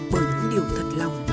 bởi những điều thật lòng